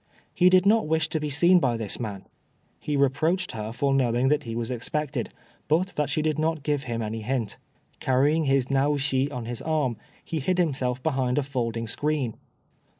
He did not wish to be seen by this man. He reproached her for knowing that he was expected, but that she did not give him any hint. Carrying his Naoshi on his arm, he hid himself behind a folding screen.